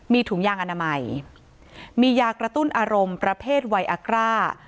มีถุงยางอนามัยมียากระตุ้นอารมณ์ประเภทไวอากร่า